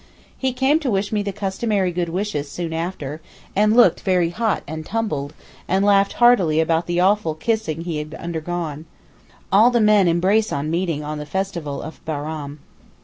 He came to wish me the customary good wishes soon after, and looked very hot and tumbled, and laughed heartily about the awful kissing he had undergone. All the men embrace on meeting on the festival of Bairam.